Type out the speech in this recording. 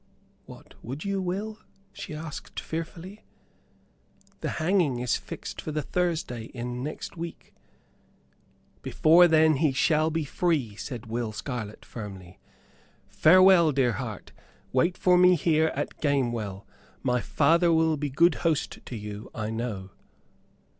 "What would you, Will?" she asked, fearfully. "The hanging is fixed for the Thursday in next week." "Before then he shall be free," said Will Scarlett, firmly. "Farewell, dear heart. Wait for me here at Gamewell; my father will be good host to you, I know."